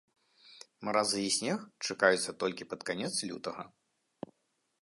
Маразы і снег чакаюцца толькі пад канец лютага.